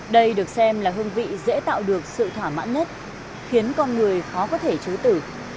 đây được xem là hương vị dễ tạo được sự thỏa mãn nhất khiến con người khó có thể chối tử